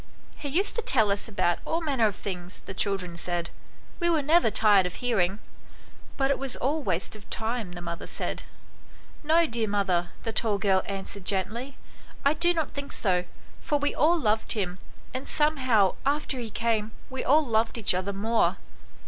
" He used to tell us about all manner of things," the children said; "we were never tired of hear ing." " But it was all waste of time," the mother said. " No, dear mother," the tall girl answered gently, " I do not think so, for we all loved him, and some how after he came we all loved each other more."